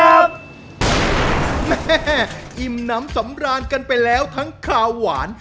แม่อิ่มน้ำสำราญกันไปแล้วทั้งขาวหวาน